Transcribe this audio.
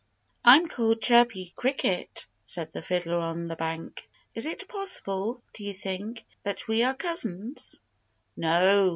"I'm called Chirpy Cricket," said the fiddler on the bank. "Is it possible do you think that we are cousins?" "No!"